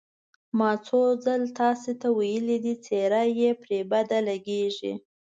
ما څو ځل تاسې ته ویلي دي، څېره یې پرې بده لګېږي.